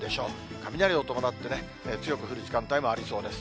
雷を伴ってね、強く降る時間帯もありそうです。